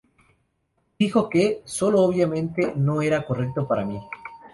Dijo que: "sólo, obviamente, no era correcto para mí".